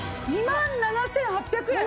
２万７８００円！